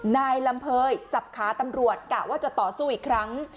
นายลำเภยจับขาตำรวจกะว่าจะต่อสู้อีกครั้ง